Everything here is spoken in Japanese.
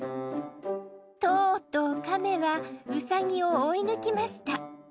とうとうかめはうさぎを追い抜きました